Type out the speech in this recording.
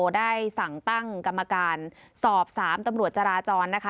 ได้สั่งตั้งกรรมการสอบ๓ตำรวจจราจรนะคะ